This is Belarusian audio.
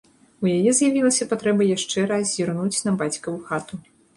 У яе з'явілася патрэба яшчэ раз зірнуць на бацькаву хату.